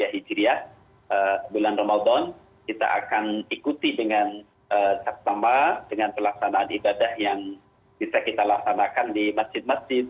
seribu empat ratus empat puluh tiga hijriah bulan ramadhan kita akan ikuti dengan tak sama dengan pelaksanaan ibadah yang bisa kita laksanakan di masjid masjid